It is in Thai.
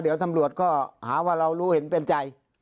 เดี๋ยวตำรวจก็หาว่าเรารู้เห็นเป็นใจ